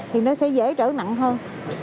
thì nó sẽ dễ trở nặng hơn